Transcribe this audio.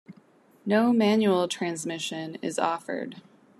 No manual transmission is offered.